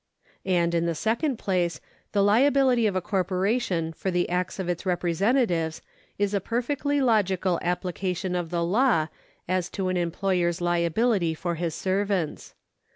And in the second place, the liability of a corporation for the acts of its representatives is a perfectly logical application of the law as to an employer's liability for his servants.